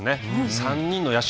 ３人の野手。